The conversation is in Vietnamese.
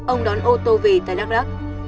ông đón ô tô về tại đắk rắc